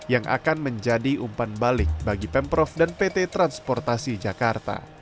yang akan menjadi umpan balik bagi pemprov dan pt transportasi jakarta